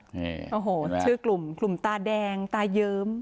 โอ้โหชื่อกลุ่มตาแดงตาเยิม